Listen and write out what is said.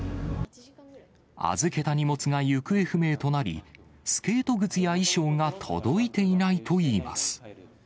預けた荷物が行方不明となり、スケート靴や衣装が届いていないといいます。